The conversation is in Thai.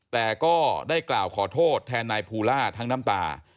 แต่ก็ได้กล่าวขอโทษแทนนายภูล่าทั้งน้ำตา